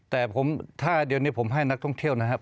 แต่ผมถ้าเดี๋ยวนี้ผมให้นักท่องเที่ยวนะครับ